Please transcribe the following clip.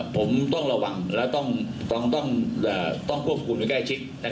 ผมต้องระวังและต้องควบคุมไว้ใกล้ชิด